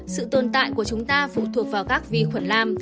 sự tồn tại của chúng ta phụ thuộc vào các vi khuẩn lam